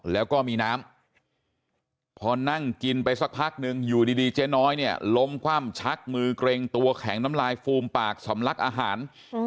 แล้วก็มีน้ำพอนั่งกินไปสักพักนึงอยู่ดีเจ๊น้อยเนี่ยล้มคว่ำชักมือเกรงตัวแข็งน้ำลายฟูมปากสำลักอาหาร